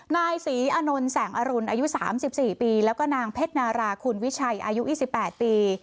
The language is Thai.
นายศรีอานนท์แสงอรุณอายุ๓๔ปีแล้วก็นางเพชรนาราคุณวิชัยอายุ๒๘ปี